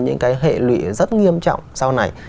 những cái hệ lụy rất nghiêm trọng sau này